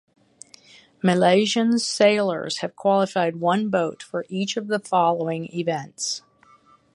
Malaysian sailors have qualified one boat for each of the following events.